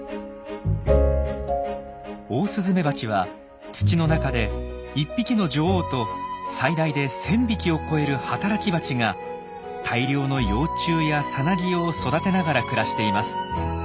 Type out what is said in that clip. オオスズメバチは土の中で１匹の女王と最大で１，０００匹を超える働きバチが大量の幼虫やさなぎを育てながら暮らしています。